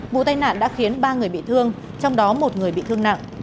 vụ tai nạn đã khiến ba người bị thương trong đó một người bị thương nặng